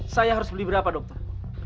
saya harus beli berapa dokter